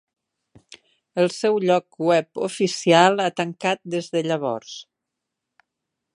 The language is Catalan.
El seu lloc web oficial ha tancat des de llavors.